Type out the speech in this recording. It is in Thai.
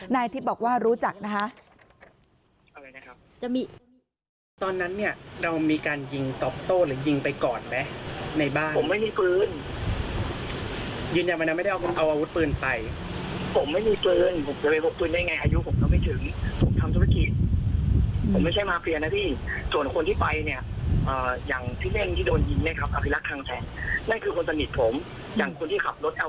นายทิพย์บอกว่ารู้จักนะคะ